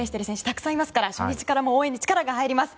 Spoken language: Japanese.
たくさんいますから初日から応援に力が入ります！